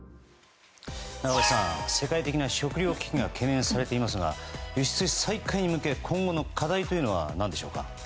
世界的な食糧危機が懸念されていますが輸出再開に向け今後の課題は何でしょうか。